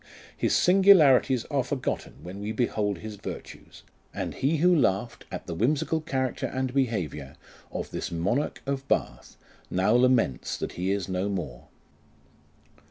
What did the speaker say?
His singular ities are forgotten when we behold his virtues, and he who laughed at the whimsical character and behaviour of this Monarch of Bath, now laments that he is no more.